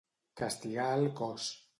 Castigar el cos.